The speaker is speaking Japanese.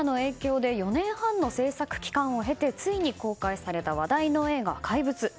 コロナの影響で４年半の制作期間を経てついに公開された話題の映画「怪物」。